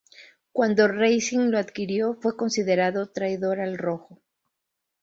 Cuando Racing lo adquirió fue considerado traidor al Rojo.